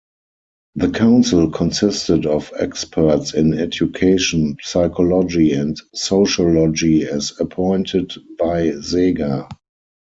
The council consisted of experts in education, psychology, and sociology as appointed by Sega.